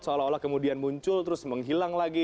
seolah olah kemudian muncul terus menghilang lagi